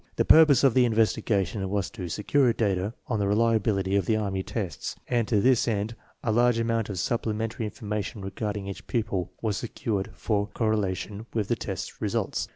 The purpose of the investigation was to secure data on the reli ability of the army tests, and to this end a large amount of supplementary information regarding each pupil was secured for correlation with the tests re sults.